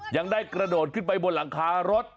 ยังได้กระโดดขึ้นไปบนหลังคารถ